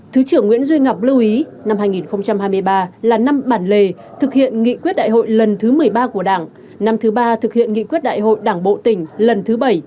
thứ trưởng nguyễn duy ngọc lưu ý năm hai nghìn hai mươi ba là năm bản lề thực hiện nghị quyết đại hội lần thứ một mươi ba của đảng năm thứ ba thực hiện nghị quyết đại hội đảng bộ tỉnh lần thứ bảy